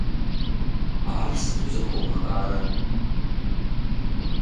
Ар сыту зэхомыхарэ?